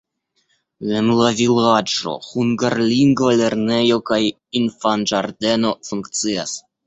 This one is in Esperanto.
En la vilaĝo hungarlingva lernejo kaj infanĝardeno funkcias.